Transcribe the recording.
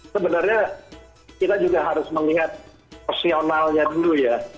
sebenarnya kita juga harus melihat personalnya dulu ya